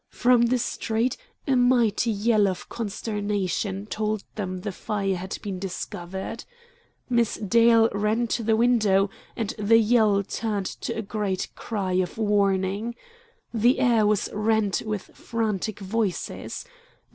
From the street a mighty yell of consternation told them the fire had been discovered. Miss Dale ran to the window, and the yell turned to a great cry of warning. The air was rent with frantic voices.